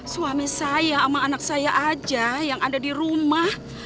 suami saya sama anak saya aja yang ada di rumah